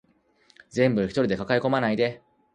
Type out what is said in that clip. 全部一人で抱え込まないで